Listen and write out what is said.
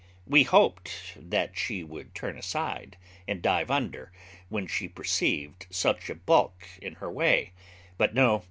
We hoped that she would turn aside, and dive under, when she perceived such a baulk in her way. But no!